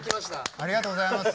ありがとうございます。